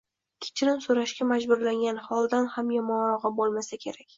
Kechirim so‘rashga majburlangan holdan ham yomonrog‘i bo‘lmasa kerak.